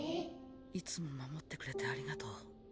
いつも守ってくれてありがとう。